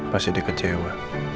pasti dia kecewa